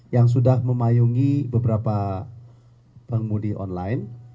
yang sudah memayungi beberapa pengemudi online